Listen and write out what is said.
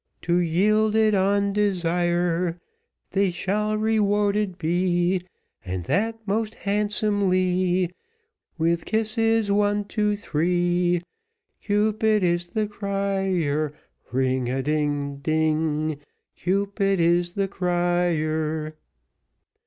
To yield it on desire, They shall rewarded be, And that most handsomely, With kisses one, two, three. Cupid is the crier, Ring a ding, a ding, Cupid is the crier.